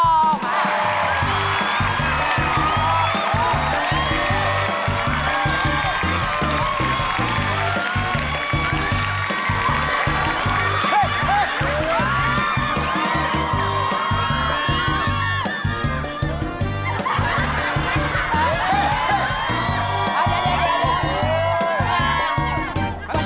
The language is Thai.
จะไม่รู้ฉันกลัวใช่ค่ะ